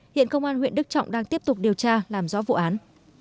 hiện công an huyện đức trọng đang tiếp tục điều tra làm rõ vụ án